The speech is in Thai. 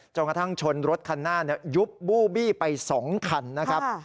กระทั่งชนรถคันหน้ายุบบู้บี้ไป๒คันนะครับ